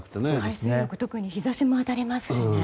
海水浴特に日差しも当たりますしね。